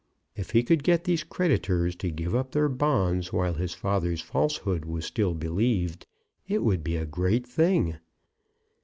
If he could get these creditors to give up their bonds while his father's falsehood was still believed, it would be a great thing.